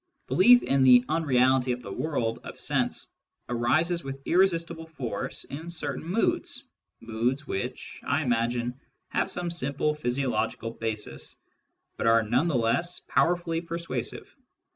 Belief in the unreality of the world of sense arises with irresistible force in certain moods — moods which, I imagine, have some simple physiological basis, but are none the less powerfully persuasive.